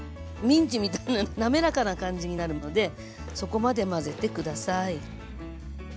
ミンチみたいな滑らかな感じになるまでそこまで混ぜて下さい。